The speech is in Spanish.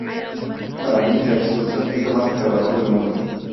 Para mí, la exclusión es lo más aterrador del mundo.